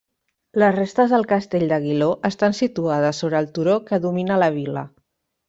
Les restes del castell d'Aguiló estan situades sobre el turó que domina la vila.